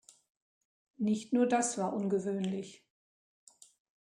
Nicht nur das war ungewöhnlich.